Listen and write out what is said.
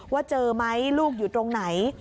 ว่าเจอไหมลูกอยู่ตรงไหน